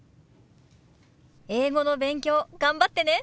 英語の勉強頑張ってね。